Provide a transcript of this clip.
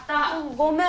ごめん。